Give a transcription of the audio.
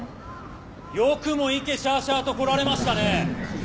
・よくもいけしゃあしゃあと来られましたね。